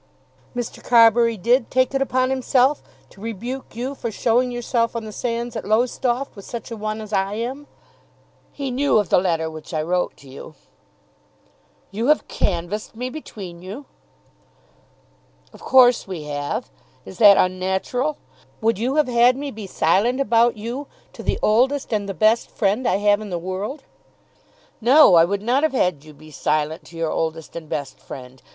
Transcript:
"Mr. Carbury did take it upon himself to rebuke you for showing yourself on the sands at Lowestoft with such a one as I am?" "He knew of the letter which I wrote to you." "You have canvassed me between you?" "Of course we have. Is that unnatural? Would you have had me be silent about you to the oldest and the best friend I have in the world?" "No, I would not have had you be silent to your oldest and best friend.